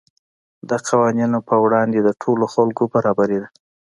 د قوانینو په وړاندې د ټولو خلکو برابري ده.